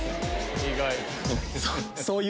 意外。